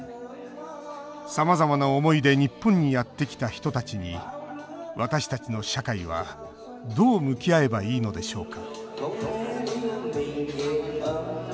さまざまな思いで日本にやってきた人たちに私たちの社会はどう向き合えばいいのでしょうか